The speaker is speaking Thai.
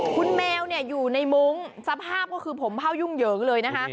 คุณแมวอยู่ในมุ้งสภาพก็คือผมเผ่ายุ่งเหยิงเลยนะคะ